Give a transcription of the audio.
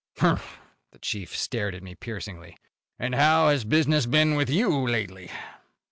"Humph!" The chief stared at me piercingly. "And how has business been with you lately?"